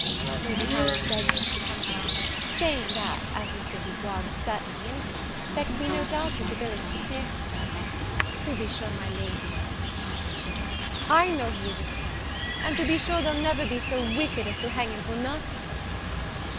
Lady Howard begged her to be comforted, saying that, as M. Du Bois was certainly innocent, there could be no doubt of his ability to clear himself. "To be sure, my Lady," answered she, "I know he is innocent; and to be sure they'll never be so wicked as to hang him for nothing?"